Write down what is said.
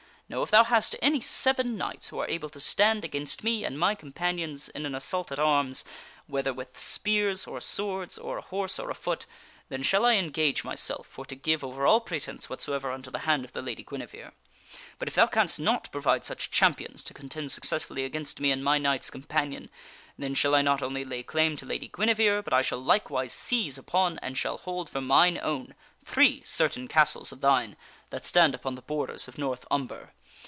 Now if thou hast any seven knights who are able to stand against me and my companions in an assault at arms whether with spears or swords, or ahorse or afoot then shall I engage myself for to give over all pretence whatsoever unto the hand of the Lady Guinevere. But if thou canst not provide such champions to contend successfully against me and my knights companion, then shall I not only lay claim to Lady Guinevere, but I shall likewise seize upon and shall hold for mine own, three certain castles of thine that stand upon the borders of North Umber.